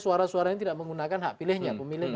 suara suaranya tidak menggunakan hak pilihnya pemilih